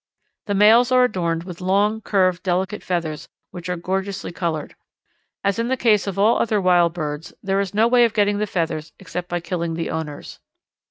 The males are adorned with long, curved delicate feathers which are gorgeously coloured. As in the case of all other wild birds there is no way of getting the feathers except by killing the owners.